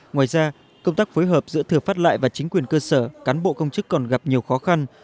ngoài ra công tác phối hợp giữa thừa phát lại và chính quyền cơ sở cán bộ công chức còn gặp nhiều khó khăn